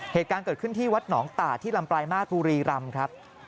เหตุการณ์เกิดขึ้นที่วัดหนองตาที่ลำปลายมาสบุรีรำครับ